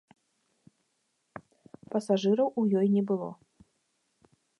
Пасажыраў у ёй не было.